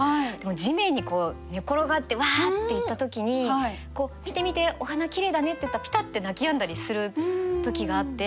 地面にこう寝転がってわあって言った時に「見て見てお花きれいだね」って言ったらピタッて泣きやんだりする時があって。